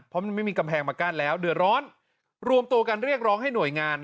เพราะมันไม่มีกำแพงมากั้นแล้วเดือดร้อนรวมตัวกันเรียกร้องให้หน่วยงาน